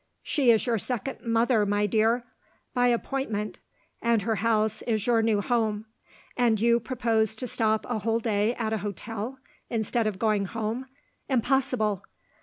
She is your second mother, my dear, by appointment; and her house is your new home. And you propose to stop a whole day at an hotel, instead of going home. Impossible!